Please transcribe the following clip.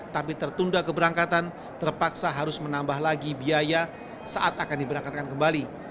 tapi tertunda keberangkatan terpaksa harus menambah lagi biaya saat akan diberangkatkan kembali